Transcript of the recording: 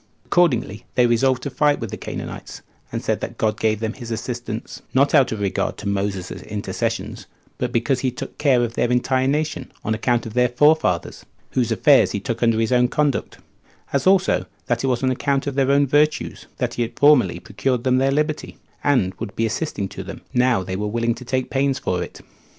Accordingly they resolved to fight with the Canaanites, and said that God gave them his assistance, not out of regard to Moses's intercessions, but because he took care of their entire nation, on account of their forefathers, whose affairs he took under his own conduct; as also, that it was on account of their own virtue that he had formerly procured them their liberty, and would be assisting to them, now they were willing to take pains for it.